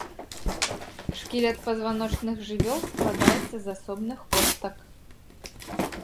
Шкілет пазваночных жывёл складаецца з асобных костак.